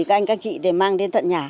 anh các chị để mang đến tận nhà